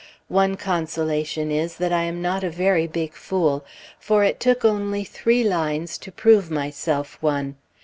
One consolation is, that I am not a very big fool, for it took only three lines to prove myself one.